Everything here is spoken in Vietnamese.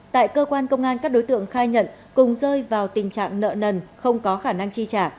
tại cơ quan công an các đối tượng khai nhận cùng rơi vào tình trạng nợ nần không có khả năng chi trả